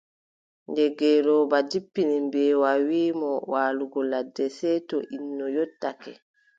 Nde ngeelooba jippini mbeewa wii mo waalugo ladde, sey to innu yottake.